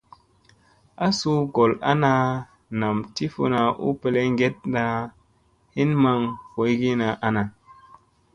A su gol ana nam ti funa u peleŋgeɗena, hin maŋ boyogina ana.